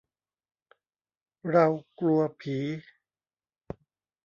เรากลัวผี !